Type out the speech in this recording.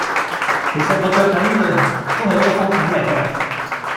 其實我著緊呢對鞋，都係一個風筒嚟嘅